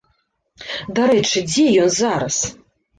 Дарэчы, дзе ён зараз?